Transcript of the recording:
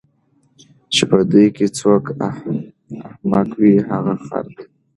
چی په دوی کی څوک احمق وي هغه خر دی